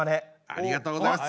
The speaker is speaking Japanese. ありがとうございます。